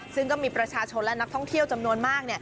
ซึ่งก็มีประชาชนและนักท่องเที่ยวจำนวนมาก